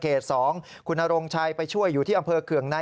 เขต๒คุณนโรงชัยไปช่วยอยู่ที่อำเภอเกือร์งนาย